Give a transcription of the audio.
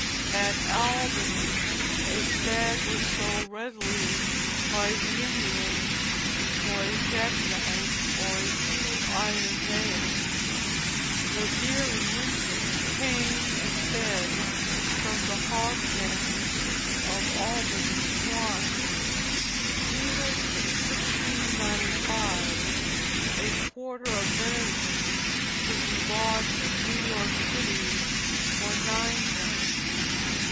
At Albany a stag was sold readily by the Indians for a jack knife or a few iron nails. The deer in winter came and fed from the hog pens of Albany swine. Even in 1695, a quarter of venison could be bought in New York City for ninepence.